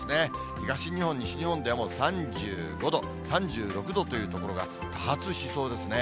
東日本、西日本でもう３５度、３６度という所が多発しそうですね。